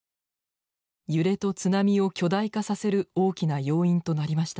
揺れと津波を巨大化させる大きな要因となりました。